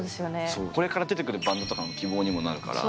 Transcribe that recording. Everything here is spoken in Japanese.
これから出てくるバンドとかの希望にもなるから。